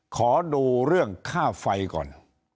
ขอดูเรื่องค่าไฟก่อน